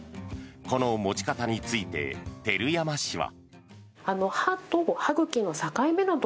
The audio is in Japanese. この持ち方について照山氏は。